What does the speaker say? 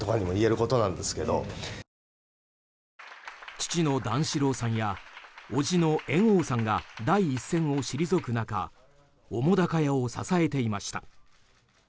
父の段四郎さんや伯父の猿翁さんが第一線を退く中澤瀉屋を支えていました。